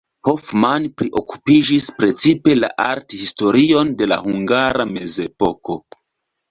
Hoffmann priokupiĝis precipe la arthistorion de la hungara mezepoko.